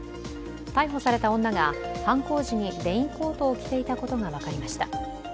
逮捕された女が犯行時にレインコートを着ていたことが分かりました。